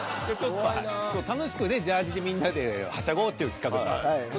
楽しくねジャージでみんなではしゃごうっていう企画なんです。